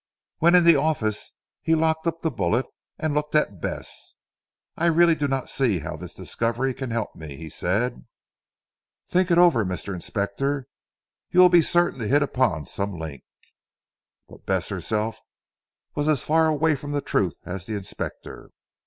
When in the office he locked up the bullet and looked at Bess. "I really do not see how this discovery can help me," he said. "Think over it Mr. Inspector. You will be certain to hit upon some link." But Bess herself was as far away from the truth as the Inspector.